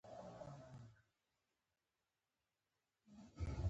پلورونکی د مشتری باور ساتل مهم ګڼي.